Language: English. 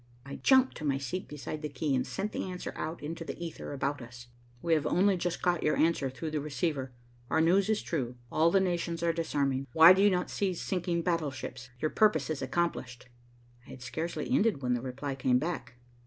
I jumped to my seat beside the key, and sent the answer out into the ether about us. "We have only just got your answer through the receiver. Our news is true. All the nations are disarming. Why do you not cease sinking battleships? Your purpose is accomplished." I had scarcely ended when the reply came back.